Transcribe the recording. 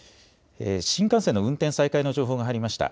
新幹線の運転再開の情報が入りました。